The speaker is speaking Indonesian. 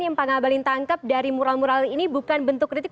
yang pak ngabalin tangkap dari mural mural ini bukan bentuk kritik